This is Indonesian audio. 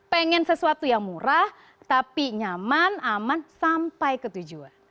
pengen sesuatu yang murah tapi nyaman aman sampai ke tujuan